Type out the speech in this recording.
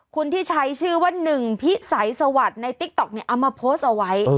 คุณที่ใช้ชื่อว่าหนึ่งพิสัยสวัสดิ์ในติ๊กต๊อกเนี่ยเอามาโพสต์เอาไว้